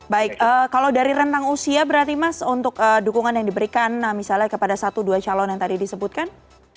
baik kalau dari rentang usia berarti mas untuk dukungan yang diberikan misalnya kepada satu dua calon yang tadi disebutkan